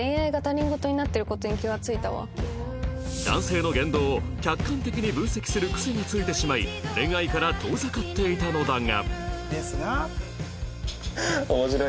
男性の言動を客観的に分析する癖がついてしまい恋愛から遠ざかっていたのだが